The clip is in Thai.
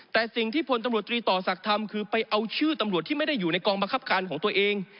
แต่สิ่งที่พตศทำคือไปเอาชื่อตำรวจที่ไม่ได้อยู่ในกองบังคับการของตัวเอง